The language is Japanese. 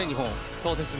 そうですね。